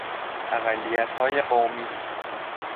اقلیت های قومی